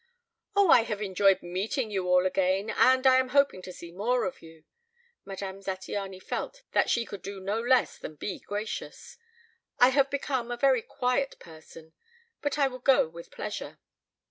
"Oh, I have enjoyed meeting you all again, and I am hoping to see more of you." Madame Zattiany felt that she could do no less than be gracious. "I have become a very quiet person, but I will go with pleasure."